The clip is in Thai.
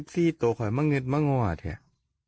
สองตัว